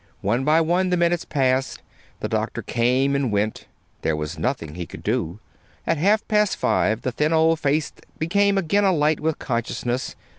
One by one the minutes passed. The doctor came and went: there was nothing he could do. At half past five the thin old face became again alight with consciousness.